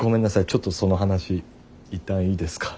ちょっとその話いったんいいですか？